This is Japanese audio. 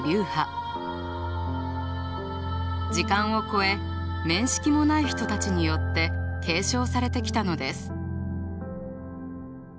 時間を超え面識もない人たちによって継承されてきたのです。